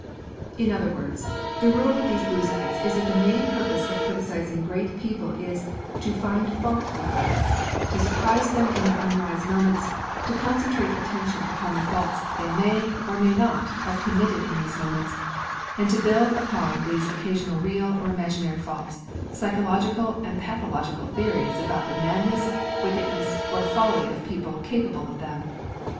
In other words, the rule with these Buzites is that the main purpose of criticising great people is to find fault with them; to surprise them in their 'unwise' moments, to concentrate attention upon the faults they may, or may not, have committed in these moments; and to build upon these occasional real, or imaginary, faults, psychological and pathological theories about the madness, wickedness, or folly of people capable of them.